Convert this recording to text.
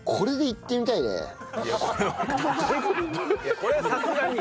これはさすがに。